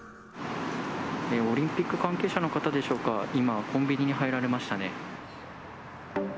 オリンピック関係者の方でしょうか、今、コンビニに入られましたね。